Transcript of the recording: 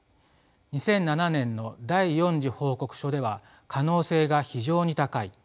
２００７年の第４次報告書では「可能性が非常に高い」。